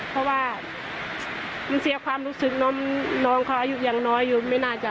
เพราะว่ามันเสียความรู้สึกน้องเขาอายุยังน้อยอยู่ไม่น่าจะ